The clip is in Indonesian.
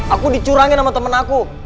aku dicurangin sama temen aku